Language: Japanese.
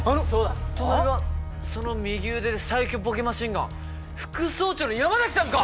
その右腕が最強ボケマシンの副総長の山崎さんか？